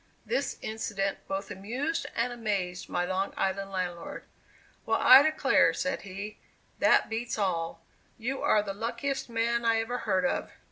This incident both amused and amazed my Long Island landlord. "Well, I declare," said he, "that beats all; you are the luckiest man I ever heard of.